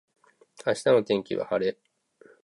明日の天気は晴れ。